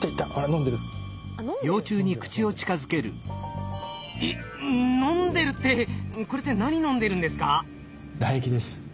「飲んでる」ってこれって何飲んでるんですか？